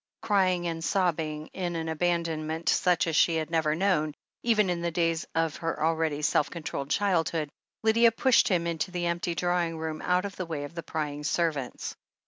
Crying and sobbing in an abandonment such as she had fjever known, even in the days of her already self controUed childhood, Lydia pushed him into the empty drawing room, out of the way of the prying servants.